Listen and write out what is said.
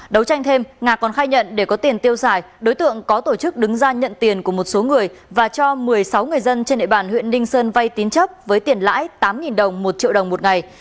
đấu tranh thêm ngạc còn khai nhận để có tiền tiêu xài đối tượng có tổ chức đứng ra nhận tiền của một số người và cho một mươi sáu người dân trên địa bàn huyện ninh sơn vay tín chấp với tiền lãi tám đồng một triệu đồng một ngày